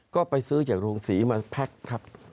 ก็ไปซื้อจากโรงศรีมาแพ็คครับ